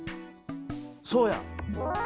そうや。